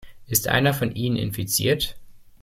Ist einer von ihnen infiziert?